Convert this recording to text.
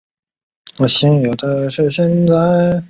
美国独立后曾三任维吉尼亚州州长。